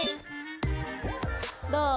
どう？